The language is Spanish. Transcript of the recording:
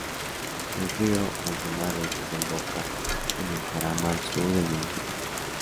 El río Manzanares desemboca en el Jarama al sur del municipio.